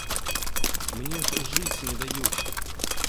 Мне ж жыць не даюць.